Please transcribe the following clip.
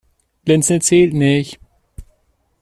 Blinzeln zählt nicht.